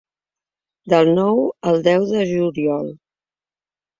Del nou al deu de juliol.